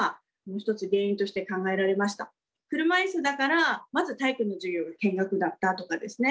車いすだからまず体育の授業は見学だったとかですね